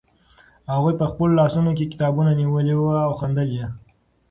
هغوی په خپلو لاسونو کې کتابونه نیولي وو او خندل یې.